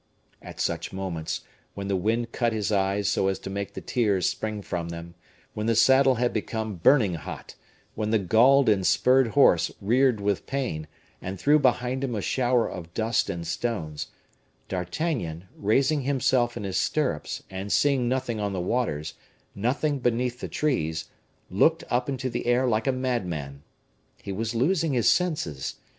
At such moments, when the wind cut his eyes so as to make the tears spring from them, when the saddle had become burning hot, when the galled and spurred horse reared with pain, and threw behind him a shower of dust and stones, D'Artagnan, raising himself in his stirrups, and seeing nothing on the waters, nothing beneath the trees, looked up into the air like a madman. He was losing his senses.